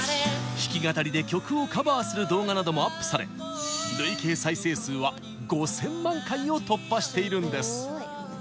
弾き語りで曲をカバーする動画などもアップされ累計再生数は５０００万回を突破しているんです！